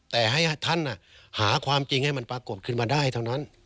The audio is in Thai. แต่ให้ท่านหาความจริงให้มันปรากฏขึ้นมาได้เท่านั้น